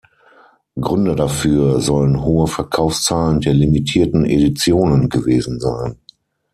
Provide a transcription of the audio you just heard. Gründe dafür sollen hohe Verkaufszahlen der limitierten Editionen gewesen sein.